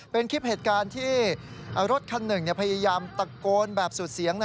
เป็นคลิปเหตุการณ์ที่รถคันหนึ่งพยายามตะโกนแบบสุดเสียง